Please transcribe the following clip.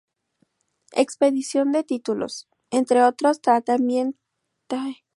Expedición de títulos, entre otros trámites más.